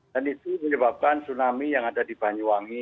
dan itu menyebabkan tsunami yang ada di banyuwangi